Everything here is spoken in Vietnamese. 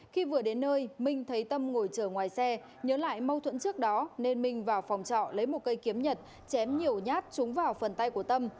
khi vừa đến nơi minh thấy tâm ngồi chờ ngoài xe nhớ lại mâu thuẫn trước đó nên minh vào phòng trọ lấy một cây kiếm nhật chém nhiều nhát trúng vào phần tay của tâm